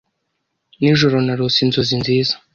Nijoro narose inzozi nziza.